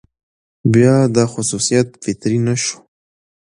بيا دا خصوصيت فطري نه شو،